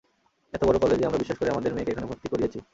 এত বড় কলেজে আমরা বিশ্বাস করে আমাদের মেয়েকে এখানে ভর্তি করিয়েছি।